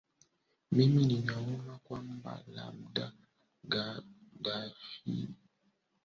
mimi ninaona kwamba labda gaddafi ambaye amefanya mambo mingi tu mazuri